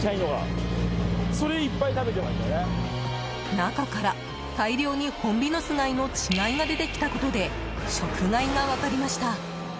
中から大量にホンビノス貝の稚貝が出てきたことで食害が分かりました。